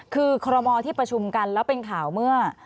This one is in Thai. คือคอรมอที่ประชุมกันแล้วเป็นข่าวเมื่อ